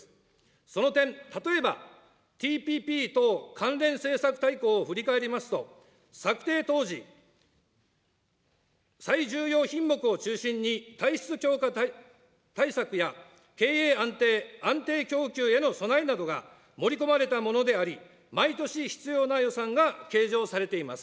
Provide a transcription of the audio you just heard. その点、例えばＴＰＰ等関連政策大綱を振り返りますと、策定当時、最重要品目を中心に体質強化対策や、経営安定・安定供給への備えなどが盛り込まれたものであり、毎年必要な予算が計上されています。